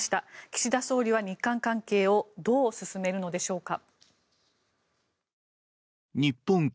岸田総理は日韓関係をどう進めるのでしょうか。